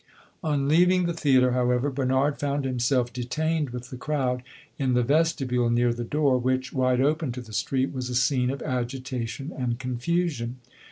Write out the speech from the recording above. On leaving the theatre, however, Bernard found himself detained with the crowd in the vestibule near the door, which, wide open to the street, was a scene of agitation and confusion.